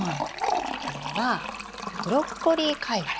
これはブロッコリーカイワレ。